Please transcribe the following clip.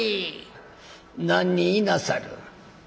「何人いなさる？」。